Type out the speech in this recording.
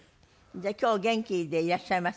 じゃあ今日元気でいらっしゃいましたか？